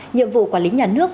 nhiệm vụ quản lý nhà nước